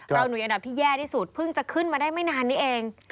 หนูอยู่อันดับที่แย่ที่สุดเพิ่งจะขึ้นมาได้ไม่นานนี้เอง